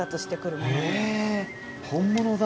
本物だ。